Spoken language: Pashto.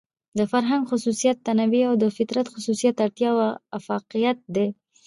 د فرهنګ خصوصيت تنوع او د فطرت خصوصيت اړتيا او اۤفاقيت دى.